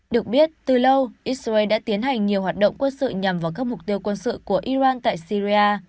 được biết từ lâu israel đã tiến hành nhiều hoạt động quân sự nhằm vào các mục tiêu quân sự của iran tại syria